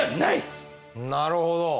なるほど。